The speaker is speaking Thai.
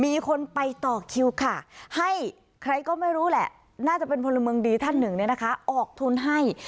มีคนไปต่อคิวค่ะให้ใครก็ไม่รู้แหละน่าจะเป็นพลเมืองดีท่านหนึ่งเนี่ยนะคะออกทุนให้